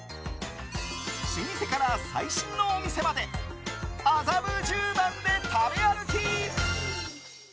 老舗から最新のお店まで麻布十番で食べ歩き。